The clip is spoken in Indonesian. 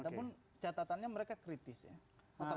tapi catatannya mereka kritis ya